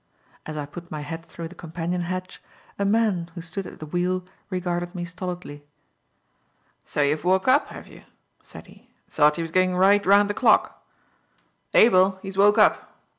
As I put my head through the companion hatch, a man who stood at the wheel regarded me stolidly. "So you've woke up, have yer?" said he. "Thought you was going right round the clock. Abel! he's woke up.